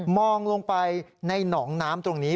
องลงไปในหนองน้ำตรงนี้